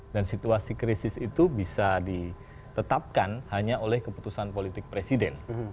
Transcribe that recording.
dan situasi krisis itu bisa ditetapkan hanya oleh keputusan politik presiden